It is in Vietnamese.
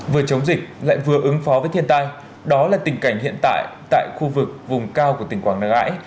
vừa chống dịch lại vừa ứng phó với thiên tai đó là tình cảnh hiện tại tại khu vực vùng cao của tỉnh quảng ngãi